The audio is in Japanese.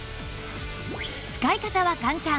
使い方は簡単